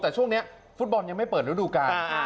แต่ช่วงนี้ฟุตบอลยังไม่เปิดฤดูกาล